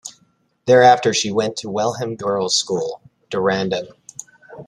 Thereafter she went to Welham Girls School, Dehradun.